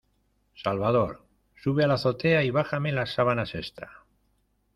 Salvador, ¡sube a la azotea y bájame las sábanas extra!